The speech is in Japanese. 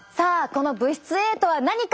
この物質Ａとは何か。